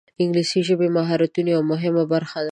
انګلیسي د ژبې د مهارتونو یوه مهمه برخه ده